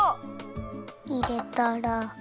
いれたら。